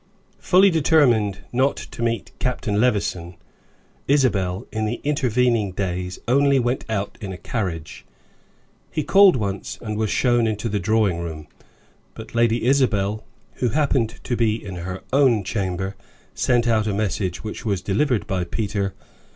Fully determined not to meet Captain Levison, Isabel, in the intervening days, only went out in a carriage. He called once, and was shown into the drawing room; but Lady Isabel, who happened to be in her own chamber, sent out a message, which was delivered by Peter.